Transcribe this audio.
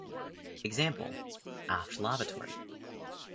Example: Aft lavatory.